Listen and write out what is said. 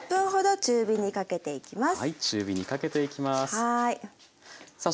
中火にかけていきます。